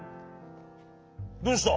どうした？